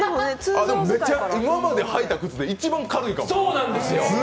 今まで履いた靴で一番軽いかも。